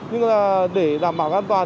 nhưng mà để đảm bảo an toàn